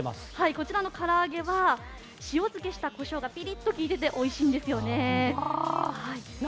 こちらの唐揚げは塩漬けしたコショウがピリッときいてておいしいんですよ。